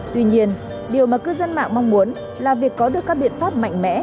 tuy nhiên điều mà cư dân mạng mong muốn là việc có được các biện pháp mạnh mẽ